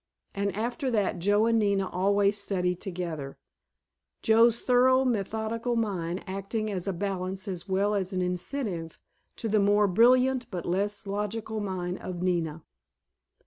And after that Joe and Nina always studied together, Joe's thorough, methodical mind acting as a balance as well as an incentive to the more brilliant but less logical mind of Nina.